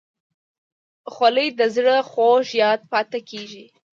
خولۍ د زړه خوږ یاد پاتې کېږي.